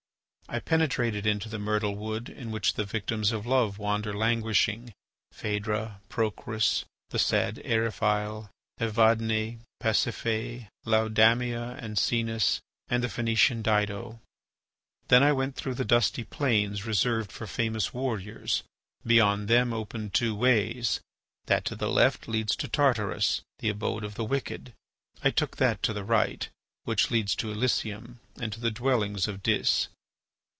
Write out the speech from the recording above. I penetrated into the myrtle wood in which the victims of love wander languishing, Phaedra, Procris, the sad Eriphyle, Evadne, Pasiphaë Laodamia, and Cenis, and the Phœnician Dido. Then I went through the dusty plains reserved for famous warriors. Beyond them open two ways. That to the left leads to Tartarus, the abode of the wicked. I took that to the right, which leads to Elysium and to the dwellings of Dis.